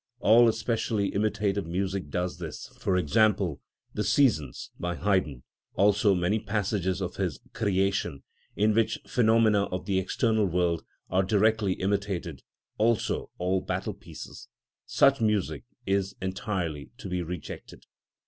All specially imitative music does this; for example, "The Seasons," by Haydn; also many passages of his "Creation," in which phenomena of the external world are directly imitated; also all battle pieces. Such music is entirely to be rejected.